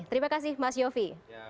terima kasih mas yofi